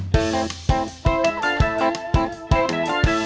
bersiap onto menang mereka gila